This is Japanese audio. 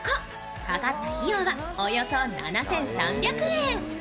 かかった費用はおよそ７３００円。